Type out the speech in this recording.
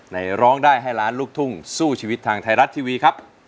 ร้องได้ให้ล้านลูกทุ่งสู้ชีวิตทางไทยรัฐทีวีครับ